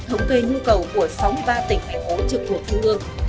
thống kê nhu cầu của sáu mươi ba tỉnh thành phố trực thuộc trung ương